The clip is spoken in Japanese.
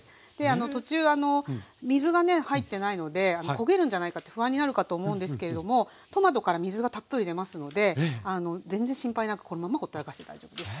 途中水がね入ってないので焦げるんじゃないかって不安になるかと思うんですけれどもトマトから水がたっぷり出ますので全然心配なくこのままほったらかしで大丈夫です。